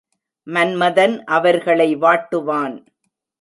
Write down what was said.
மன்மதன் அவர்களை வாட்டுவான்.